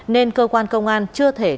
nên cơ quan công an chưa thể